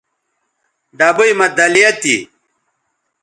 ڈبئ مہ دَلیہ تھی